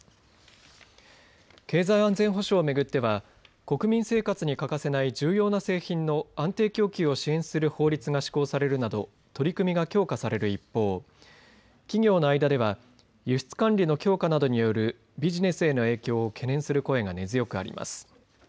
経済安全保障を巡っては国民生活に欠かせない重要な製品の安定供給を支援する法律が施行されるなど取り組みが強化される一方企業の間では輸出管理の強化などによるビジネスへの影響を懸念する声が根強くあります。